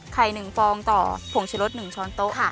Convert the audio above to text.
ไข่๑ฟองต่อผงชิวรส๑ช้อนโต๊ะ